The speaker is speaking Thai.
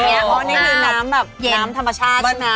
เพราะนี่คือน้ำแบบน้ำธรรมชาติใช่ไหม